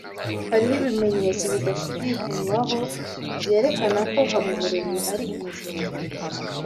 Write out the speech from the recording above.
Hariho ibimenyetso bidashidikanywaho byerekana ko Habumuremyi ari umujura